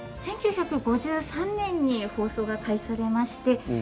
１９５３年に放送が開始されまして。